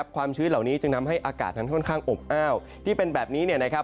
ความชื้นเหล่านี้จึงทำให้อากาศนั้นค่อนข้างอบอ้าวที่เป็นแบบนี้